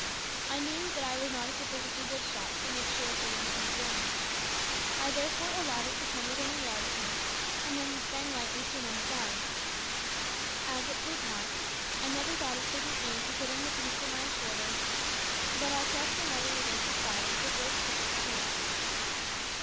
I knew that I was not a sufficiently good shot to make sure of hitting it in the brain. I therefore allowed it to come within a yard of me, and then sprang lightly to one side. As it flew past, I never thought of taking aim or putting the piece to my shoulder, but I thrust the muzzle against its side and pulled both triggers at once.